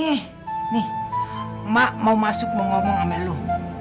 nih emak mau masuk mau ngomong sama lo